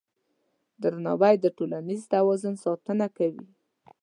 درناوی د ټولنیز توازن ساتنه کوي.